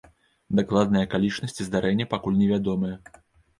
Дакладныя акалічнасці здарэння пакуль невядомыя.